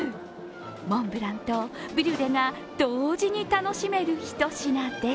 モンブランとブリュレが同時に楽しめるひと品です。